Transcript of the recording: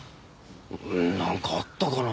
なんかあったかな？